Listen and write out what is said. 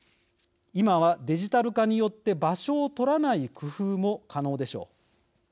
今は、デジタル化によって場所を取らない工夫も可能でしょう。